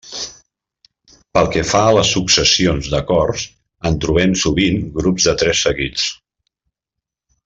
Pel que fa a les successions d'acords, en trobem sovint grups de tres seguits.